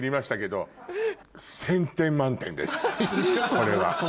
これは。